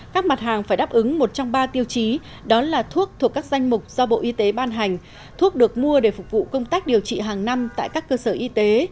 các mặt hàng phải đáp ứng một trong ba tiêu chí đó là thuốc thuộc các danh mục do bộ y tế ban hành thuốc được mua để phục vụ công tác điều trị hàng năm tại các cơ sở y tế